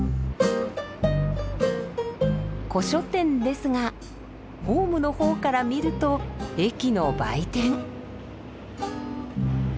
古書店ですがホームの方から見ると駅の売店。